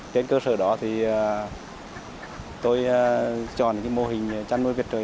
trên cơ sở đó thì tôi chọn mô hình chăn nuôi vịt trời